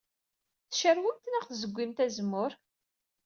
Tcarwemt neɣ tzeggimt azemmur?